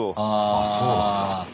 あっそうなんだ。